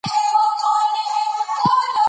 افغانستان د آب وهوا د ساتنې لپاره قوانين لري.